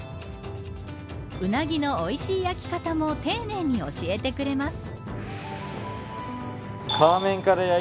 ウナギのおいしい焼き方も丁寧に教えてくれます。